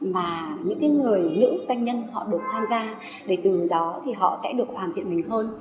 mà những người nữ doanh nhân được tham gia để từ đó họ sẽ được hoàn thiện mình hơn